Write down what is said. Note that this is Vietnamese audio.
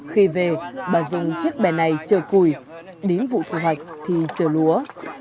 khi về bà dùng chiếc bè này chờ cùi đến vụ thu hoạch thì chờ lúa